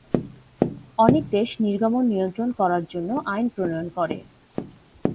অনেক দেশ নির্গমন নিয়ন্ত্রণ করার জন্য আইন প্রণয়ন করে।